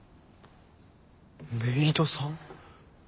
メイドさん？